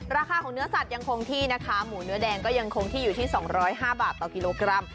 ราคาของเนื้อสัตว์ยังคงที่นะคะหมูเนื้อแดงก็ยังคงที่อยู่ที่๒๐๕บาทต่อกิโลกรัม